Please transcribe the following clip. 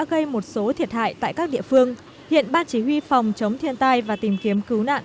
gây một số thiệt hại tại các địa phương hiện ban chỉ huy phòng chống thiên tai và tìm kiếm cứu nạn